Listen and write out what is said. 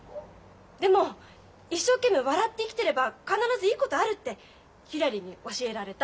でも一生懸命笑って生きてれば必ずいいことあるってひらりに教えられた。